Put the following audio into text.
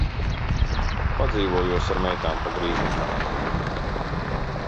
... Padzīvojos ar meitām pa Grīziņkalnu.